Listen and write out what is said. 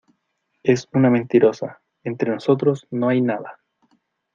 es una mentirosa. entre nosotros no hay nada .